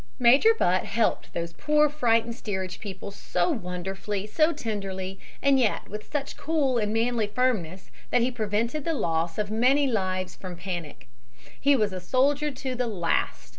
"Major Butt helped those poor frightened steerage people so wonderfully, so tenderly and yet with such cool and manly firmness that he prevented the loss of many lives from panic. He was a soldier to the last.